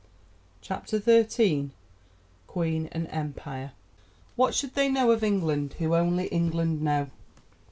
CHAPTER XIII: Queen and Empire What should they know of England who only England know?